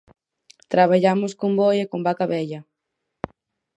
Traballamos con boi e con vaca vella.